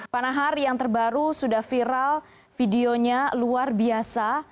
pak nahar yang terbaru sudah viral videonya luar biasa